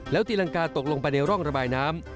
ตีรังกาตกลงไปในร่องระบายน้ำ